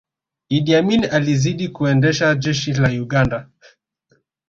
iddi amini alizidi kuliendesha jeshi la uganda